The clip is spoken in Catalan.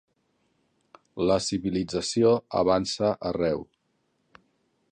La civilització avança arreu.